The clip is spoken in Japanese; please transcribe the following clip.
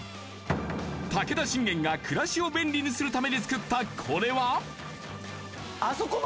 武田信玄が暮らしを便利にするために作ったこれは？